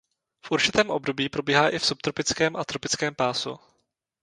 V určitém období probíhá i v subtropickém a tropickém pásu.